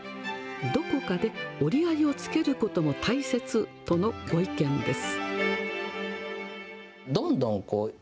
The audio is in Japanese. どこかで折り合いをつけることも大切とのご意見です。